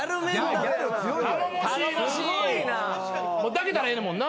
抱けたらええねんもんな？